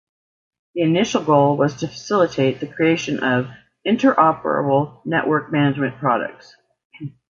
The initial goal was to facilitate the creation of 'interoperable network management products'.